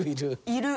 いる。